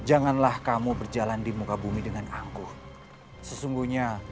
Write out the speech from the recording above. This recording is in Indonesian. apakah kamu akan berjalan di muka bumi dengan angguh